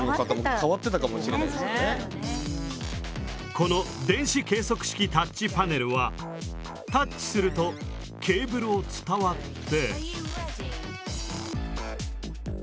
この電子計測式タッチパネルはタッチするとケーブルを伝わって。